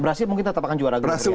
brazil mungkin tetap akan juara grup